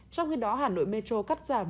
trong khi đó hà nội metro cắt giảm